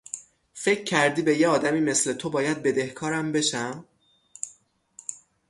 فکر کردی به یه آدمی مثل تو باید بدهکارم بشم؟